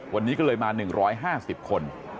วันนี้ก็เลยมา๑๕๐คน